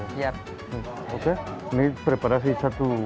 saya membuat guacamole untuk satu